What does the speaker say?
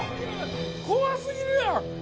怖過ぎるやん。